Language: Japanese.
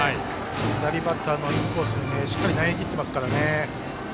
左バッターのインコースにしっかり投げきってますからね。